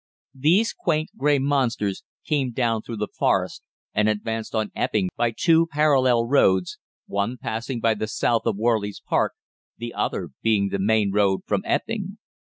These quaint, grey monsters came down through the Forest and advanced on Epping by two parallel roads, one passing by the south of Warlies Park, the other being the main road from Epping.